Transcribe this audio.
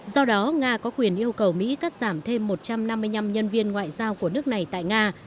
do đó nga có quyền yêu cầu mỹ cắt giảm thêm một trăm năm mươi năm nhân viên ngoại giao của nước này tại nga